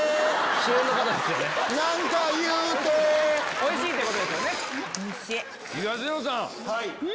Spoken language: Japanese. ⁉おいしいってことですよね。